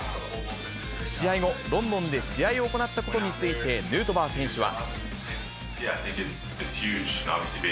試合後、ロンドンで試合を行ったことについて、ヌートバー選手は。